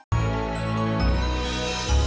tunggu instruksi dari saya